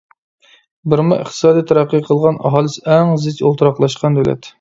بېرما ئىقتىسادى تەرەققىي قىلغان، ئاھالىسى ئەڭ زىچ ئولتۇراقلاشقان دۆلەت.